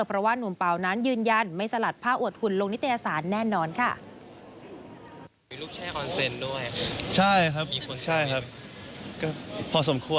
เพราะว่านุ่มเปล่านั้นยืนยันไม่สลัดผ้าอวดหุ่นลงนิตยสารแน่นอนค่ะ